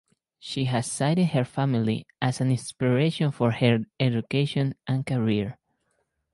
She has cited her family as an inspiration for her education and career.